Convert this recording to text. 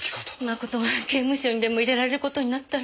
真人が刑務所にでも入れられる事になったら。